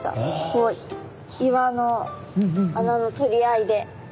こう岩の穴の取り合いで。